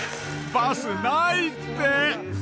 バスないって！